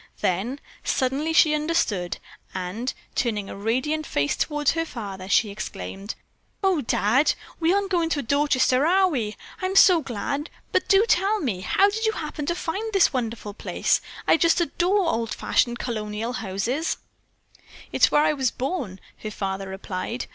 Then suddenly she understood and, turning a radiant face toward her father, she exclaimed: "Oh, Dad, we aren't going to Dorchester, are we? I'm so glad! But do tell me, how did you happen to find this wonderful place? I just adore old fashioned colonial houses." "It's where I was born," her father replied.